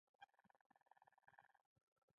ژوندي اخلاق ښيي